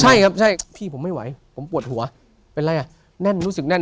ใช่ครับใช่พี่ผมไม่ไหวผมปวดหัวเป็นไรอ่ะแน่นรู้สึกแน่น